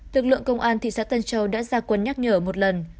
lực lượng công an thị xã tân châu đã ra quân nhắc nhở một lần